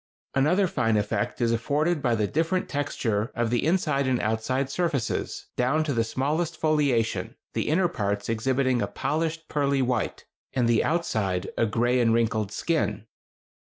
Another fine effect is afforded by the different texture of the inside and outside surfaces, down to the smallest foliation, the inner parts exhibiting a polished pearly white, and the outside a gray and wrinkled skin.